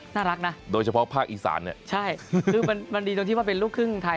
น่ารักนะโดยเฉพาะภาคอีสานเนี่ยใช่คือมันดีตรงที่ว่าเป็นลูกครึ่งไทย